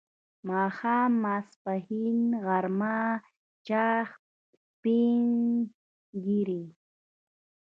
ماښام، ماپښین، غرمه، چاښت، سپین ږیری